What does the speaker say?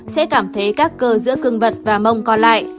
sẽ cảm thấy các cơ giữa cưng vật và mông còn lại